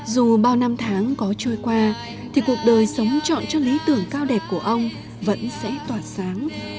dù bao năm tháng có trôi qua thì cuộc đời sống trọn cho lý tưởng cao đẹp của ông vẫn sẽ tỏa sáng